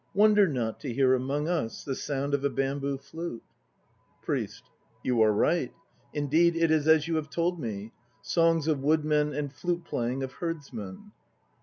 Wonder not to hear among us The sound of a bamboo flute. PRIEST. You are right. Indeed it is as you have told me. Songs of woodmen and flute playing of herdsmen